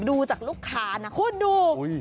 ดูจากลูกค้านะคุณดู